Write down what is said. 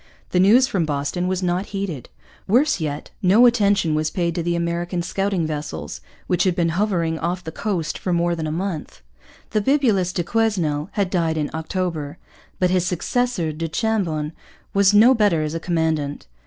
The news from Boston was not heeded. Worse yet, no attention was paid to the American scouting vessels, which had been hovering off the coast for more than a month. The bibulous du Quesnel had died in October. But his successor, du Chambon, was no better as a commandant.